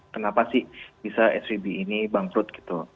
kenapa sih bisa svb ini bangkrut gitu